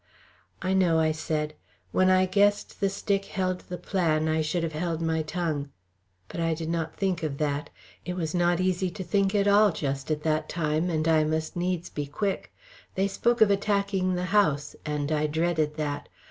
"I know," I said. "When I guessed the stick held the plan, I should have held my tongue. But I did not think of that. It was not easy to think at all just at that time, and I must needs be quick. They spoke of attacking the house, and I dreaded that....